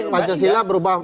pancasila berubah boleh